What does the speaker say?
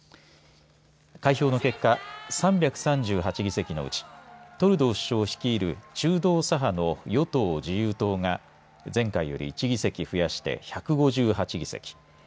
開票の結果３３８議席のうちトルドー首相率いる中道左派の与党・自由党が前回より１議席増やして１５８議席。